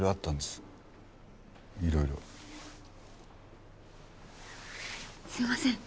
すいません